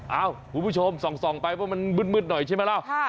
คุณผู้ชมส่องไปเพราะมันมืดหน่อยใช่ไหมล่ะ